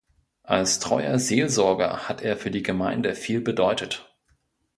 Als treuer Seelsorger hat er für die Gemeinde viel bedeutet.